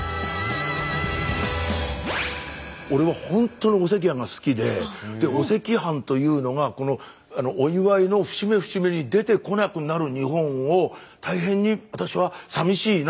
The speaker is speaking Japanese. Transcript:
俺は本当にお赤飯が好きでお赤飯というのがお祝いの節目節目に出てこなくなる日本を大変に私はさみしいなと思ってて。